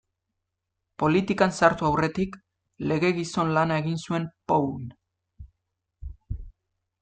Politikan sartu aurretik, legegizon-lana egin zuen Pauen.